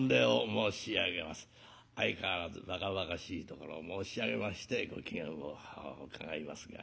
相変わらずばかばかしいところを申し上げましてご機嫌を伺いますが。